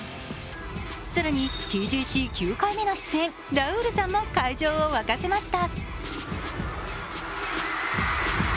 更にＴＧＣ９回目の出演、ラウールさんも会場を沸かせました。